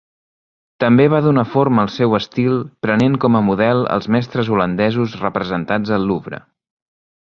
També va donar forma al seu estil prenent com a model els mestres holandesos representats al Louvre.